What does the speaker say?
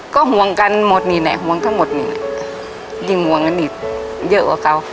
ก็ห่วงกันหมดนี่แหละห่วงทั้งหมดนี่แหละยิ่งห่วงกันอีกเยอะกว่าเขา